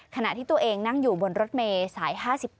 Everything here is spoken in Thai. ขณะที่ตัวเองนั่งอยู่บนรถเมย์สาย๕๘